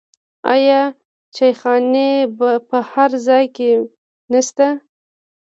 آیا چایخانې په هر ځای کې نشته؟